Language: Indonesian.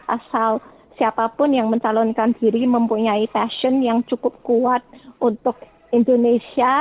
asal siapapun yang mencalonkan diri mempunyai passion yang cukup kuat untuk indonesia